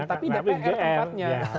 tapi dpr tempatnya